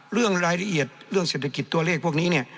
เรื่องรายละเอียดเรื่องเศรษฐกิจตัวเลขพวกนี้เนี่ย